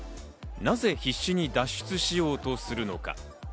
なぜ必死に脱出しようとするのか？